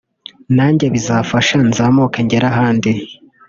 nanjye bizamfasha nzamuke ngere ahandi